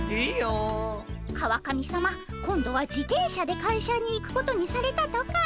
川上さま今度は自転車で会社に行くことにされたとか。